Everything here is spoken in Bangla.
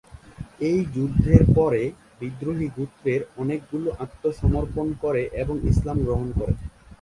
এই যুদ্ধের পরে, বিদ্রোহী গোত্রের অনেকগুলো আত্মসমর্পণ করে এবং ইসলাম গ্রহণ করে।